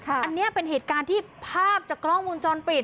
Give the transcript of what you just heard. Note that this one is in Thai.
อันนี้เป็นเหตุการณ์ที่ภาพจากกล้องวงจรปิด